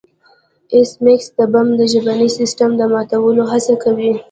ایس میکس د بم د ژبني سیستم د ماتولو هڅه کوي